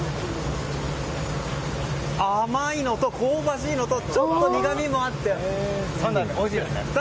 甘いのと香ばしいのとちょっと苦味もあって３代目、おいしいです！